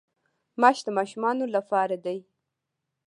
ماش د ماشومانو لپاره دي.